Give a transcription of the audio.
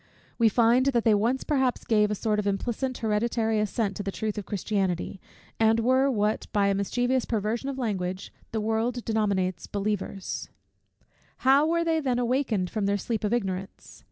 We find that they once perhaps gave a sort of implicit hereditary assent to the truth of Christianity, and were what, by a mischievous perversion of language, the world denominates believers. How were they then awakened from their sleep of ignorance?